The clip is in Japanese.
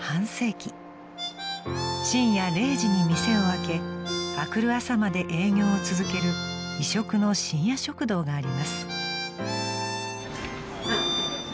［深夜０時に店を開けあくる朝まで営業を続ける異色の深夜食堂があります］